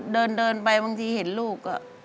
เดินไปบางทีเห็นลูก